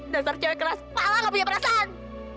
dasar cewek keras kepala gak punya perasaan